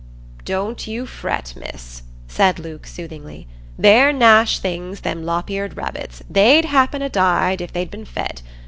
"Don't you fret, Miss," said Luke, soothingly; "they're nash things, them lop eared rabbits; they'd happen ha' died, if they'd been fed.